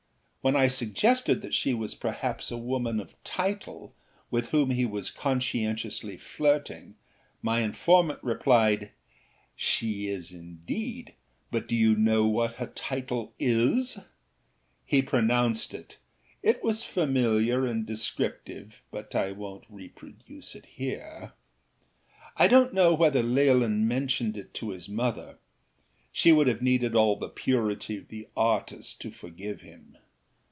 When I suggested that she was perhaps a woman of title with whom he was conscientiously flirting my informant replied: âShe is indeed, but do you know what her title is?â He pronounced itâit was familiar and descriptiveâbut I wonât reproduce it here. I donât know whether Leolin mentioned it to his mother: she would have needed all the purity of the artist to forgive him.